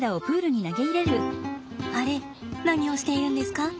あれ何をしているんですか？